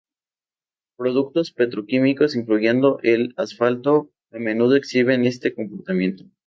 Productos petroquímicos, incluyendo el asfalto, a menudo exhiben este comportamiento.